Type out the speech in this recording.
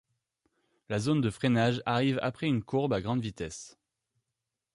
La zone de freinage arrive après une courbe à grande vitesse.